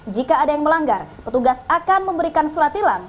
jika ada yang melanggar petugas akan memberikan surat tilang